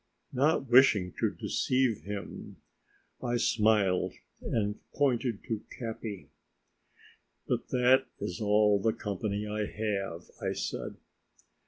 Not wishing to deceive him, I smiled and pointed to Capi. "But that is all the company I have," I said.